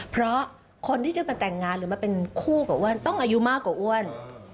เพราะคนที่จะมาแต่งงานหรือมาเป็นคู่กับอ้วนต้องอายุมากกว่าอ้วน